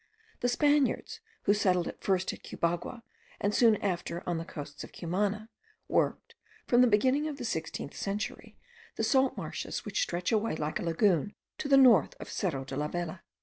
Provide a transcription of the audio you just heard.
The Spaniards, who settled at first at Cubagua, and soon after on the coasts of Cumana, worked, from the beginning of the sixteenth century, the salt marshes which stretch away like a lagoon to the north of Cerro de la Vela.